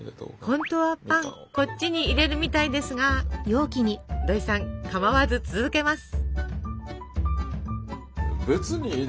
本当はパンこっちに入れるみたいですが土井さんかまわず続けます。